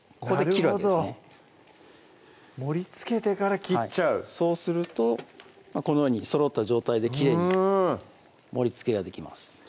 なるほど盛りつけてから切っちゃうそうするとこのようにそろった状態できれいに盛りつけができます